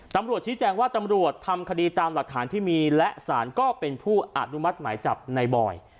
ตำรวจชี้แจงว่าตำรวจทำคดีตามหลักฐานที่มีและสารก็เป็นผู้อนุมัติหมายจับในบอย